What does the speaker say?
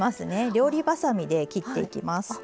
料理ばさみで切っていきます。